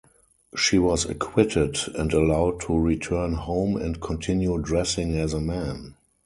She was acquitted and allowed to return home and continue dressing as a man.